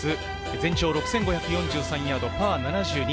全長６５４３ヤード、パー７２。